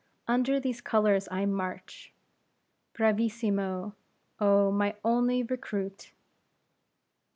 under these colors I march." "Bravissimo! oh, my only recruit!"